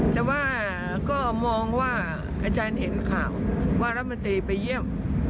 แต่ว่าก็มองว่าอาจารย์เห็นข่าวว่ารัฐมนตรีไปเยี่ยม